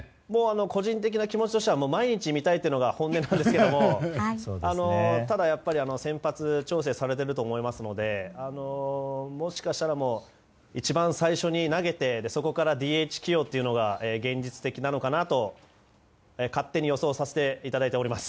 個人的な気持ちとしては毎日見たいのが本音ですけどただ、先発調整されていると思いますのでもしかしたら、一番最初に投げてそこからＤＨ起用というのが現実的なのかなと勝手に予想させていただいております。